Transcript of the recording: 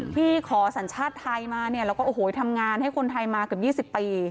ที่ขอสัญชาติไทยมาเนี่ยแล้วก็โอ้โหทำงานให้คนไทยมาเกือบ๒๐ปี